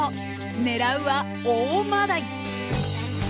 狙うは大マダイ！